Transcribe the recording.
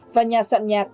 và nhà soạn nhạc